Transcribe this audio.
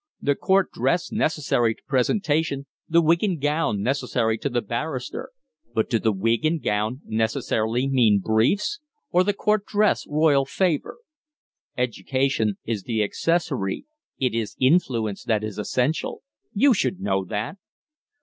The court dress necessary to presentation, the wig and gown necessary to the barrister. But do the wig and gown necessarily mean briefs? Or the court dress royal favor? Education is the accessory; it is influence that is essential. You should know that."